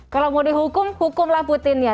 kalau mau dihukum hukumlah putin ya